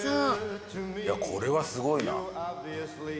これはすごいな。